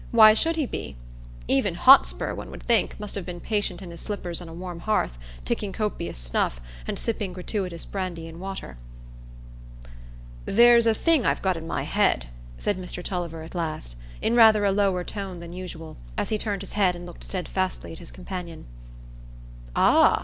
Why should he be? Even Hotspur, one would think, must have been patient in his slippers on a warm hearth, taking copious snuff, and sipping gratuitous brandy and water. "There's a thing I've got i' my head," said Mr Tulliver at last, in rather a lower tone than usual, as he turned his head and looked steadfastly at his companion. "Ah!"